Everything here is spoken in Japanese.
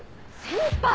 先輩。